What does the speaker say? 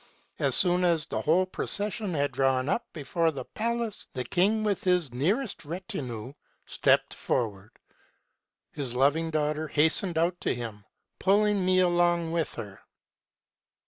So soon as the whole procession had drawn up before the palace, the king, with his nearest retinue, stepped forward. His loving daughter hastened out to him, pulling me along with her.